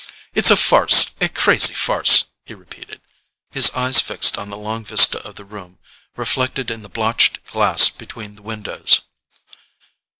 "It's a farce—a crazy farce," he repeated, his eyes fixed on the long vista of the room reflected in the blotched glass between the windows.